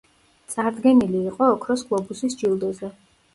წარდგენილი იყო ოქროს გლობუსის ჯილდოზე.